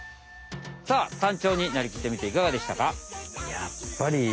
さあタンチョウになりきってみていかがでしたか？